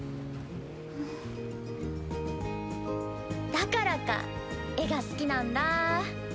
だからか絵が好きなんだぁ。